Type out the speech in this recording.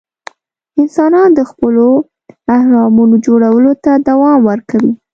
انسانان د خپلو اهرامونو جوړولو ته دوام ورکوي.